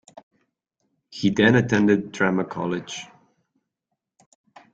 He then attended Drama College.